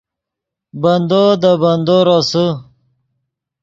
بندو دے بندو روسے